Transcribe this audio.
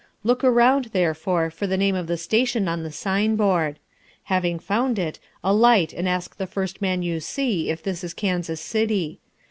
Look around, therefore, for the name of the station on the signboard. Having found it, alight and ask the first man you see if this is Kansas City.